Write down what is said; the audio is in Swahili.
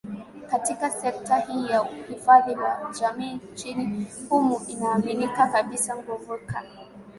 katika sekta hii ya uhifadhi wa jamii nchini humu inaaminika kabisa nguvu ka